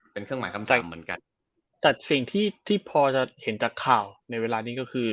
เป็นเครื่องหมายคำสั่งเหมือนกันแต่สิ่งที่ที่พอจะเห็นจากข่าวในเวลานี้ก็คือ